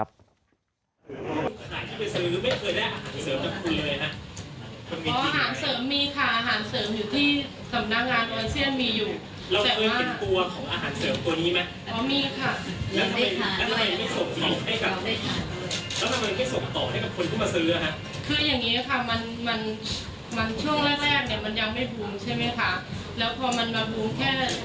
ผลิตภัณฑ์ที่สั่งมาจากธนดามันมาไม่เพียงพอกับสมัยชีพ